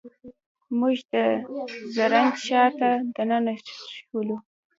موږ د زرنج ښار ته دننه شولو.